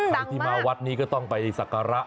ใครที่มาวัดนี้ก็ต้องไปสักการะ